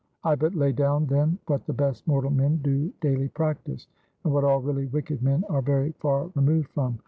"I but lay down, then, what the best mortal men do daily practice; and what all really wicked men are very far removed from.